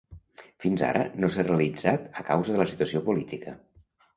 Fins ara, no s'ha realitzat a causa de la situació política.